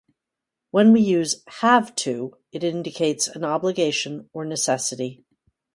When we use "have to," it indicates an obligation or necessity.